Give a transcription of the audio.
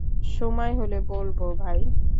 সময় হলে বলবো, ভাই।